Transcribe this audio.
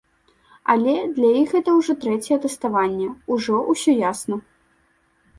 Але для іх гэта ўжо трэцяе тэставанне, ужо ўсё ясна.